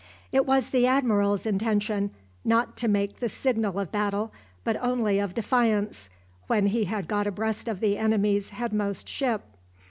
It was the admiral's intention not to make the signal of battle but only of defiance, when he had got abreast of the enemy's headmost ship.